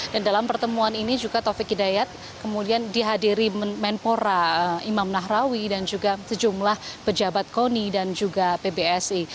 dan dalam pertemuan ini juga taufik hidayat kemudian dihadiri menpora imam nahrawi dan juga sejumlah pejabat koni dan juga pbsi